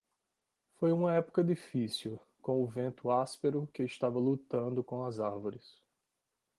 Foi uma época difícil com o vento áspero que estava lutando com as árvores.